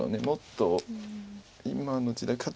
もっと今の時代。